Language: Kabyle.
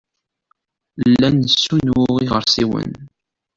La nessunuɣ iɣersiwen.